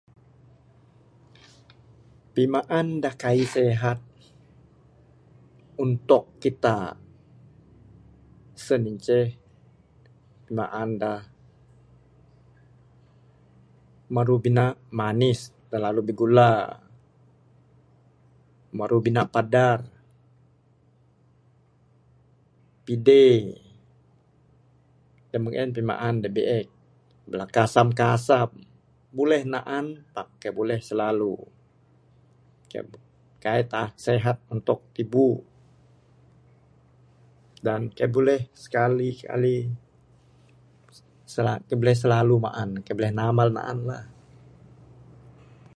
Pimaan da kaik sihat untuk kita sien inceh pimaan da maru bina manis terlalu bigula maru bina padar pide da meng en pimaan da biek bala kasam kasam buleh naan Pak kaik buleh silalu. Kaik sihat untuk tibu dan kaik buleh skali kali kaik buleh silalu maan kaik buleh namal maan la.